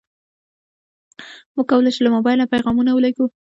موږ کولی شو له موبایل نه پیغامونه ولېږو.